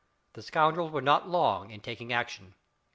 The scoundrels were not long in taking action.